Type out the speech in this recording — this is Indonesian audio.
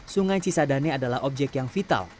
sungai cisadane adalah objek yang vital